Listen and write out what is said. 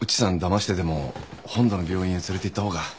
ましてでも本土の病院へ連れていったほうが。